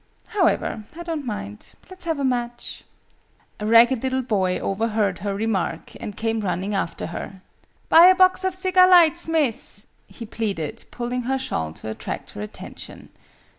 However, I don't mind. Let's have a match." A ragged little boy overheard her remark, and came running after her. "Buy a box of cigar lights, Miss!" he pleaded, pulling her shawl to attract her attention.